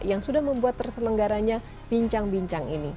yang sudah membuat terselenggaranya bincang bincang ini